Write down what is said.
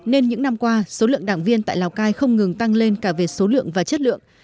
nên những năm qua số lượng đảng viên tại lào cai không ngừng tăng lên cả về số lượng và chất lượng